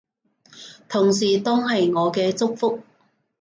同時當係我嘅祝福